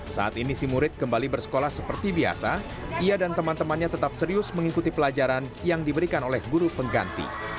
saat ini si murid kembali bersekolah seperti biasa ia dan teman temannya tetap serius mengikuti pelajaran yang diberikan oleh guru pengganti